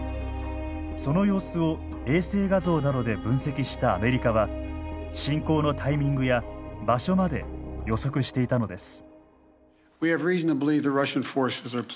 その様子を衛星画像などで分析したアメリカは侵攻のタイミングや場所まで予測していたのです。